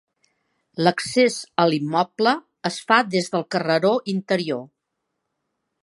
L'accés a l'immoble es fa des del carreró interior.